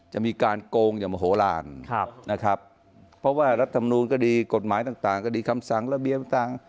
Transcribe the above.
มีการโกงอย่างมโหลานนะครับเพราะว่ารัฐมนูลก็ดีกฎหมายต่างก็ดีคำสั่งระเบียบต่าง